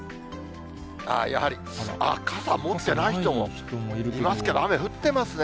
やはり、傘持ってない人もいます降ってますよね。